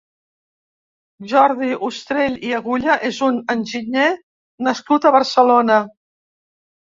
Jordi Ustrell i Aguilà és un enginyer nascut a Barcelona.